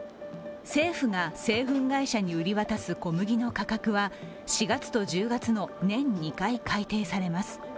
政府が製粉会社に売り渡す小麦の価格は、４月と１０月の年２回改定されます。